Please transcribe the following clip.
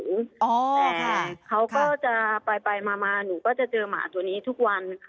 แต่เขาก็จะไปมาหนูก็จะเจอหมาตัวนี้ทุกวันค่ะ